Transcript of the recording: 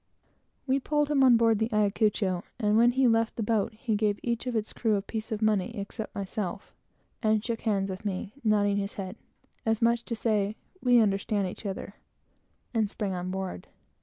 We pulled him on board the Ayacucho, and when he left the boat he gave each of its crew a piece of money, except myself, and shook hands with me, nodding his head, as much as to say, "We understand one another," and sprang on board.